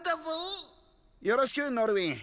よろしくノルウィン。